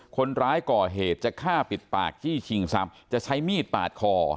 คนร้ายก่อเหตุจะฆ่าปิดปากจี้ชิงทรัพย์จะใช้มีดปาดคอ